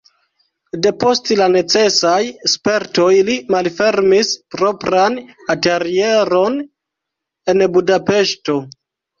Depost la necesaj spertoj li malfermis propran atelieron en Budapeŝto.